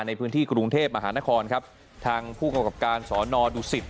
ในพื้นที่กรุงเทพมหานครครับทางผู้กำกับการสอนอดุสิต